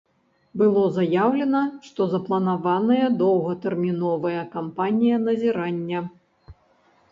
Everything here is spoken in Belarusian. Было заяўлена, што запланаваная доўгатэрміновая кампанія назірання.